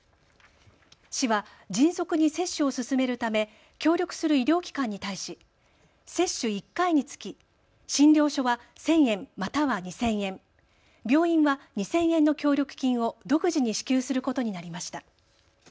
市は迅速に接種を進めるため、協力する医療機関に対し接種１回につき診療所は１０００円または２０００円、病院は２０００円の協力金を独自に支給することになりました。